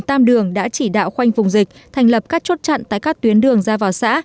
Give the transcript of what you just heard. tam đường đã chỉ đạo khoanh vùng dịch thành lập các chốt chặn tại các tuyến đường ra vào xã